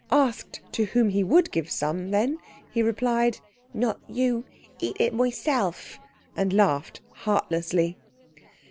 Asked to whom he would give some, then, he replied: "Not you eat it moyself!" and laughed heartlessly.